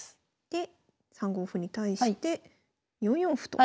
で３五歩に対して４四歩と。